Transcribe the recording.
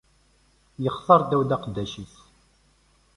Ixtar Dawed, aqeddac-is.